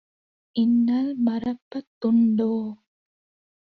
இன்னல் மறப்ப துண்டோ?"